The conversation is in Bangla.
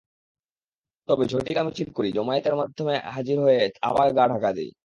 তবে ঝটিকা মিছিল করি, জমায়েতের মধ্যে হাজির হয়ে আবার গা-ঢাকা দিই।